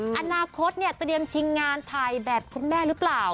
อนาคตเตรียมชิงงานไทยแบบคุณแม่หรือเปล่า